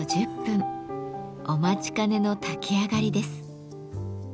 お待ちかねの炊き上がりです。